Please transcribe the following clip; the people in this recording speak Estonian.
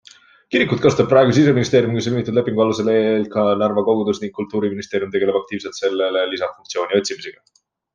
Kirikut kasutab praegu siseministeeriumiga sõlmitud lepingu alusel EELK Narva kogudus ning kultuuriministeerium tegeleb aktiivselt sellele lisafunktsiooni otsimisega.